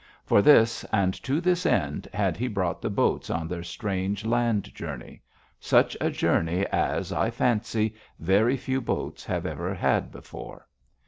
For this, and to this end, had he brought the boats on their strange land journey such a journey as, I fancy, very few boats have ever had before.